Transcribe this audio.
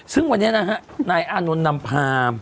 ซึ่งวันนี้นะฮะนายอานนท์นำพา